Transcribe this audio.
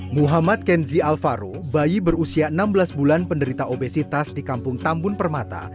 muhammad kenzi alvaro bayi berusia enam belas bulan penderita obesitas di kampung tambun permata